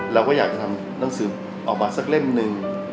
เราก็อยากจะทำหนังสือออกมาสักเล่มหนึ่ง